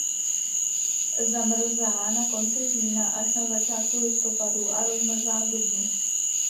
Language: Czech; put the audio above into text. Zamrzá na konci října až na začátku listopadu a rozmrzá v dubnu.